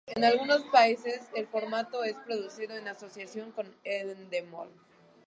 En algunos países, el formato es producido en asociación con Endemol.